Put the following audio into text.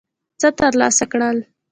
څه ترلاسه کړل.